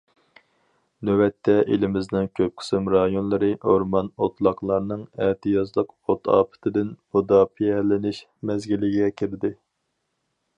نۆۋەتتە، ئېلىمىزنىڭ كۆپ قىسىم رايونلىرى ئورمان، ئوتلاقلارنىڭ ئەتىيازلىق ئوت ئاپىتىدىن مۇداپىئەلىنىش مەزگىلىگە كىردى.